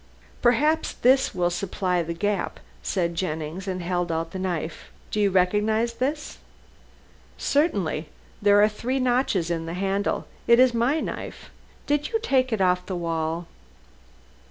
"Perhaps this will supply the gap," said Jennings, and held out the knife. "Do you recognize this?" "Certainly. There are three notches in the handle. It is my knife. Did you take it off the wall?"